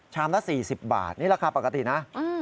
ละ๔๐บาทนี่ราคาปกตินะ